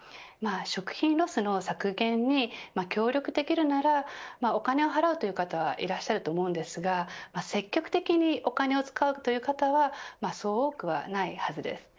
食品ロスの削減に協力できるならお金を払うという方はいらっしゃると思いますが積極的にお金を使うという方はそう多くはないはずです。